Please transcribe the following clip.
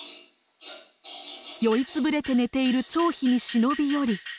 酔い潰れて寝ている張飛に忍び寄り。